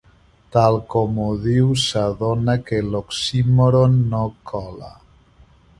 Tal com ho diu s'adona que l'oxímoron no cola.